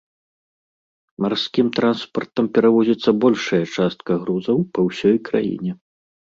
Марскім транспартам перавозіцца большая частка грузаў па ўсёй краіне.